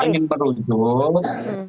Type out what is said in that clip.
kalau anda ingin berujuk